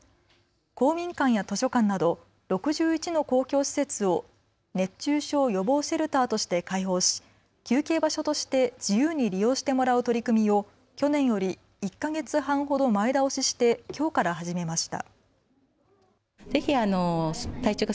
公民館や図書館など６１の公共施設を熱中症予防シェルターとして開放し休憩場所として自由に利用してもらう取り組みを去年より１か月半ほど前倒ししてきょうから始めました。